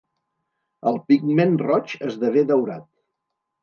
El pigment roig esdevé daurat.